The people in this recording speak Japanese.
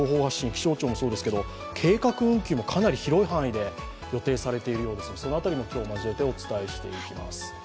気象庁もそうですけど計画運休もかなり広い範囲で予定されているようですのでその辺りも今日、交えてお伝えします。